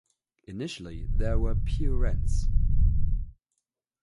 Initially there were pew rents.